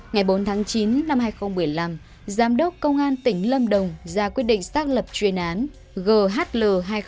ngày bốn tháng chín năm hai nghìn một mươi năm giám đốc công an tỉnh lâm đồng ra quyết định xác lập chuyên án ghl hai nghìn một mươi năm